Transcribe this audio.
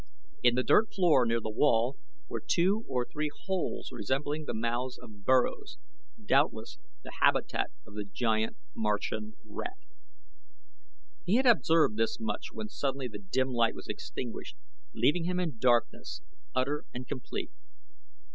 In the dirt floor near the wall were two or three holes resembling the mouths of burrows doubtless the habitat of the giant Martian rat. He had observed this much when suddenly the dim light was extinguished, leaving him in darkness utter and complete.